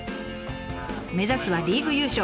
目指すはリーグ優勝！